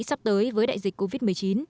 sắp tới với đại dịch covid một mươi chín